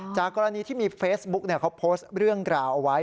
กรณีที่มีเฟซบุ๊กเขาโพสต์เรื่องกล่าวเอาไว้